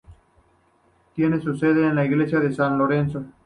Tiene su sede en la iglesia de San Lorenzo.